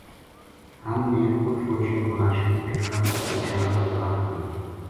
ہم نے اُت فوجیاں کو راشن پِٹکاں پو پوہچان کو کم کریو